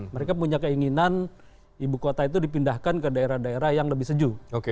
mereka punya keinginan ibu kota itu dipindahkan ke daerah daerah yang lebih sejuk